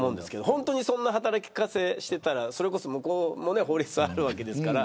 本当にそんな働き方していたらそれこそ、向こうも法律あるわけですから